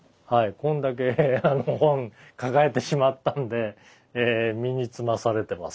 こんだけあの本抱えてしまったんで身につまされてます。